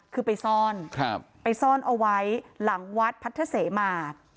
คือไปซ่อนไปซ่อนเอาไว้หลังวัดพัทธเสมา